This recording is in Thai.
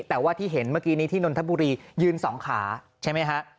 แต่ว่าที่เห็นเมื่อกี้นี้ที่นนทบุรียืนสองขาใช่ไหมฮะ